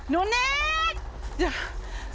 นุณิส